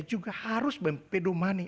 juga harus mempedomani